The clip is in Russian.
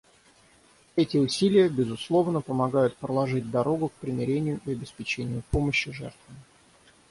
Эти усилия, безусловно, помогают проложить дорогу к примирению и обеспечению помощи жертвам.